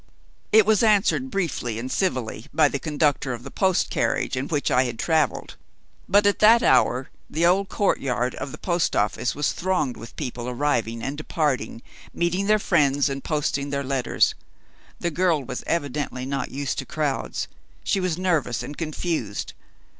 It was answered, briefly and civilly, by the conductor of the post carriage in which I had traveled. But, at that hour, the old court yard of the post office was thronged with people arriving and departing, meeting their friends and posting their letters. The girl was evidently not used to crowds. She was nervous and confused.